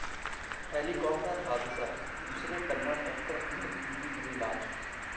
helicopter हादसा: दूसरे Kannada actor Anil की भी मिली लाश